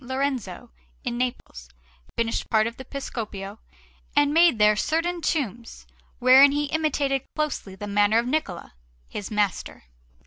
Lorenzo in Naples, finished part of the Piscopio, and made there certain tombs, wherein he imitated closely the manner of Niccola, his master.